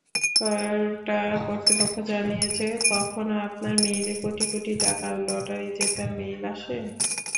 Toyota কর্তৃপক্ষ জানিয়েছে, কখনো আপনার মেইলে কোটি কোটি টাকার লটারি জেতার মেইল আসে।